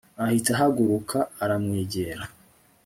ahita ahaguruka aramwegera